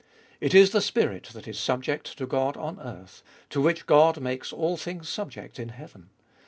It is the spirit that is subject to God on earth, to which God makes all things subject in heaven.